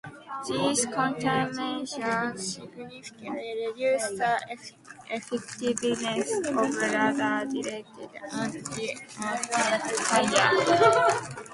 These countermeasures significantly reduced the effectiveness of radar-directed anti-aircraft fire.